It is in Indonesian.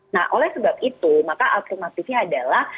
nah oleh sebab itu maka alternatifnya adalah